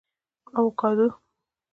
🥑 اوکاډو